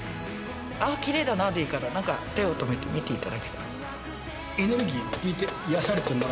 あっ、きれいだなでいいから、なんか手を止めて見ていただけたら。